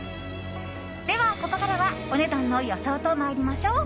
では、ここからはお値段の予想と参りましょう。